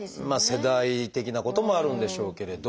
世代的なこともあるんでしょうけれど。